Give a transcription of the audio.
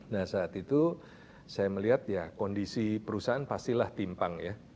nah saat itu saya melihat ya kondisi perusahaan pastilah timpang ya